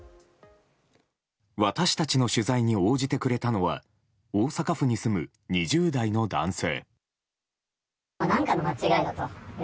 私たちの取材に応じてくれたのは大阪府に住む２０代の男性。